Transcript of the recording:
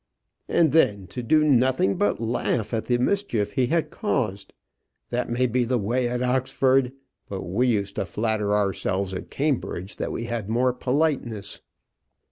"And then to do nothing but laugh at the mischief he had caused. That may be the way at Oxford; but we used to flatter ourselves at Cambridge that we had more politeness."